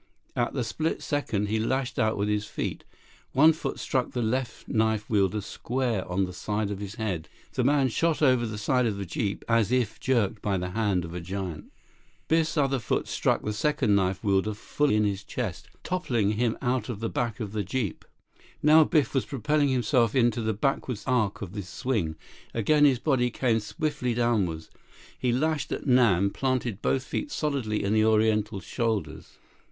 At the split second, he lashed out with his feet. One foot struck the left knife wielder square on the side of his head. The man shot over the side of the jeep as if jerked by the hand of a giant. Biff's other foot struck the second knife wielder full in his chest, toppling him out the back of the jeep. Now Biff was propelling himself into the backward arc of his swing. Again his body came swiftly downward. He lashed at Nam, planting both his feet solidly in the Oriental's shoulders.